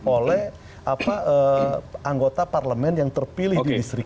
oleh anggota parlemen yang terpilih di distrik